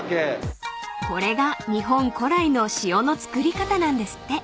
［これが日本古来の塩の造り方なんですって］